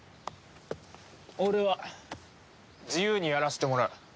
俺は自由にやらせてもらう。